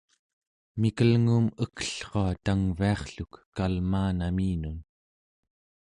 mikelnguum ekellrua tangviarrluk kalmaanaminun